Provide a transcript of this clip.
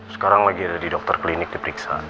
sekarang lagi ada di dokter klinik diperiksa